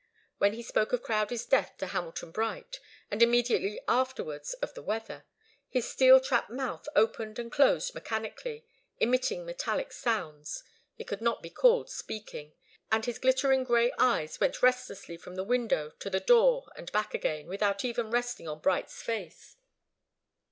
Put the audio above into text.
When he spoke of Crowdie's death to Hamilton Bright, and immediately afterwards of the weather, his steel trap mouth opened and closed mechanically, emitting metallic sounds it could not be called speaking and his glittering grey eyes went restlessly from the window to the door and back again, without even resting on Bright's face.